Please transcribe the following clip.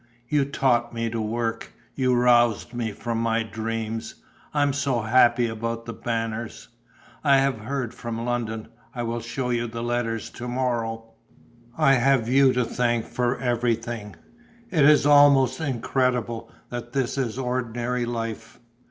You taught me to work, you roused me from my dreams. I am so happy about The Banners: I have heard from London; I will show you the letters to morrow. I have you to thank for everything. It is almost incredible that this is ordinary life.